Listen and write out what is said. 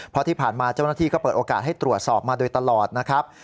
เพราะที่ผ่านมาเจ้าหน้าที่ก็เปิดโอกาสให้ตรวจสอบมาโดยตลอดนะครับ